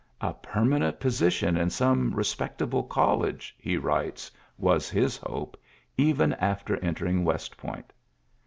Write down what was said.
"A permanent position in some respect able college,'' he writes, was his hope, even after entering West Point.